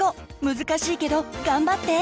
難しいけど頑張って！